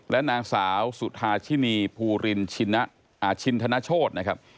และนางสาวสุธาชินีภูรินชินธนโชธนะครับ